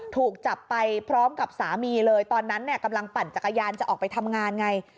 ถูกจับไปพร้อมกับสามีเลยตอนนั้นเนี่ยกำลังปั่นจักรยานจะออกไปทำงานไง